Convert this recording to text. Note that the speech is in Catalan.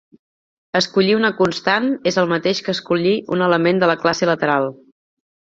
Escollir una constant és el mateix que escollir un element de la classe lateral.